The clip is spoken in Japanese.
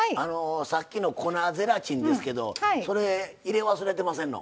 さっきの粉ゼラチンですけどそれ入れ忘れてませんの？